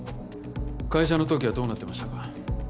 会社の登記はどうなってましたか？